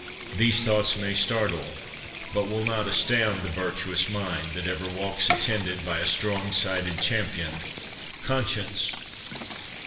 'These thoughts may startle, but will not, astound The virtuous mind, that ever walks attended By a strong siding champion, Conscience.